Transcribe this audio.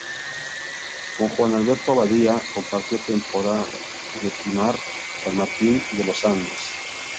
Con Juan Alberto Badia compartió temporada en Pinamar, San Martin de los Andes.